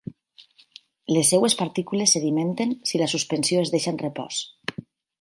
Les seves partícules sedimenten si la suspensió es deixa en repòs.